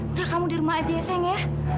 udah kamu di rumah aja ya sayang ya